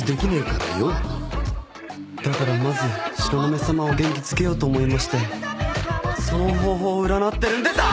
だからまず東雲さまを元気づけようと思いましてその方法を占ってるんです！